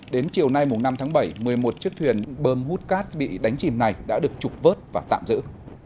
đến chiều nay năm tháng bảy một mươi một chiếc thuyền bơm hút cát bị đánh chìm này đã được trục vớt và tạm giữ